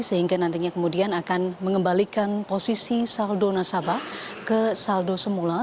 sehingga nantinya kemudian akan mengembalikan posisi saldo nasabah ke saldo semula